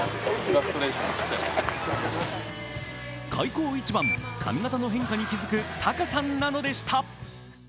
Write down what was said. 開口一番、髪形の変化に気付くタカさんなのでした。